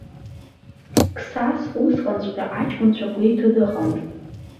Қсас усҟанҵәҟьа аҷкәынцәа гәеиҭо дыҟамызт.